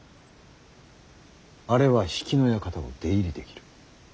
あれは比企の館を出入りできる。